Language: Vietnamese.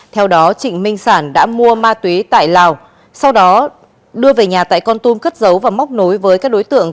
theo đó trịnh minh sản đã mua ma túy tại lào sau đó đưa về nhà tại con tum cất giấu và móc nối với các đối tượng